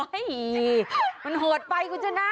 เฮ้ยมันโหดไปกูจะนะ